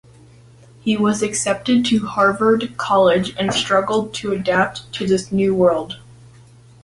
He was accepted to Harvard College and struggled to adapt to this new world.